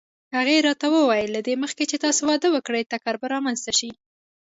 هغې راته وویل: له دې مخکې چې تاسې واده وکړئ ټکر به رامنځته شي.